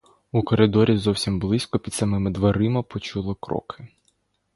У коридорі зовсім близько, під самими дверима почула кроки.